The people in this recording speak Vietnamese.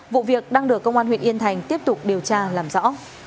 vụ việc đang được công an huyện yên thành tiếp tục điều tra làm rõ